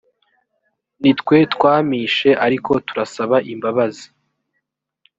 nitwe twamishe ariko turasaba imbabazi